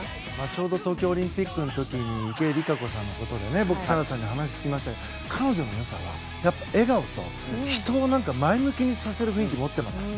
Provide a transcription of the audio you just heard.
ちょうど東京オリンピックの時に池江璃花子さんに僕、サラさんに話を聞きましたけれども彼女の良さは笑顔と人を前向きにさせる元気を持ってますから。